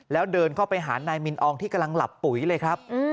แล้วเดินเข้าไปหานายมินอองที่กำลังหลับปุ๋ยเลยครับ